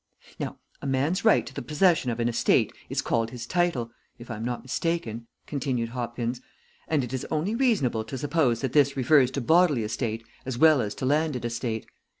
"Now a man's right to the possession of an estate is called his title, if I am not mistaken," continued Hopkins, "and it is only reasonable to suppose that this refers to bodily estate as well as to landed estate.